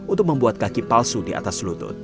untuk membuat kaki palsu di atas lutut